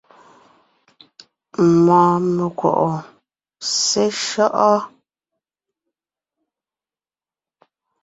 Mɔɔn mekwɔ̀’ɔ seshÿɔ́’ɔ?